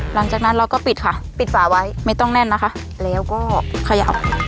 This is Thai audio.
หลังจากนั้นเราก็ปิดค่ะปิดฝาไว้ไม่ต้องแน่นนะคะแล้วก็เขย่า